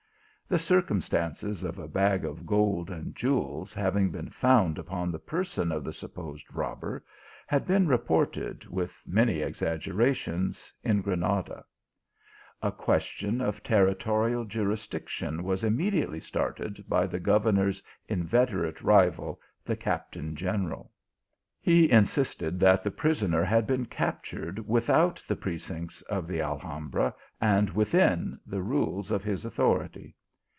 The circumstance of a bag of gold and jewels having been found upon the person of the supposed robber, had been reported with many exaggerations in Granada. A question of territorial jurisdiction was immediately started by the governor s inveter ate rival, the captain general. He insisted that the prisoner had been captured without the precincts of the Alhambra, and within the rules of his authority.